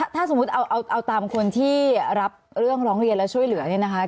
ถ้าสมมุติเอาตามคนที่รับเรื่องร้องเรียนและช่วยเหลือเนี่ยนะคะ